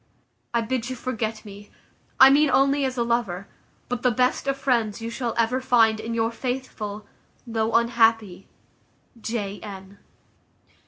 I bid you forget me, I mean only as a lover; but the best of friends you shall ever find in your faithful, though unhappy, "J. N."